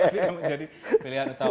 jadi pilihan utama